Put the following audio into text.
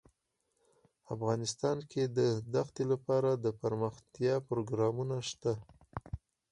افغانستان کې د دښتې لپاره دپرمختیا پروګرامونه شته.